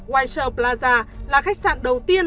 windsor plaza là khách sạn đầu tiên